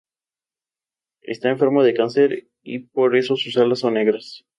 Está enfermo de cáncer y por eso sus alas son negras.